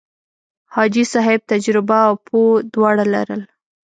حاجي صاحب تجربه او پوه دواړه لرل.